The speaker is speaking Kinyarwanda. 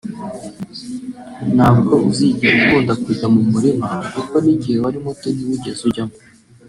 ntabwo uzigera ukunda kujya mu murima kuko n’igihe wari muto ntiwigeze ujyamo